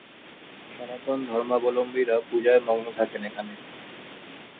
সনাতন ধর্মাবলম্বীরা পূজায় মগ্ন থাকেন এখানে।